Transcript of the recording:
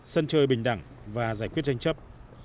sân chơi bình đẳng và giải quyết tranh chấp